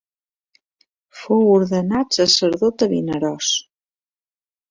Fou ordenat sacerdot a Vinaròs.